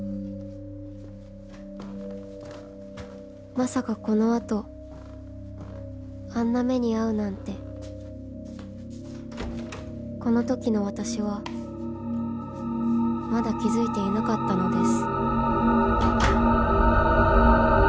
［まさかこの後あんな目に遭うなんてこのときの私はまだ気付いていなかったのです］